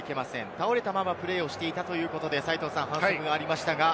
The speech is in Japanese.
倒れたままプレーしていたということで反則がありました。